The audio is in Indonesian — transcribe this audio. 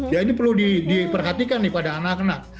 ya ini perlu diperhatikan nih pada anak anak